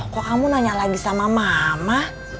kok kamu nanya lagi sama mama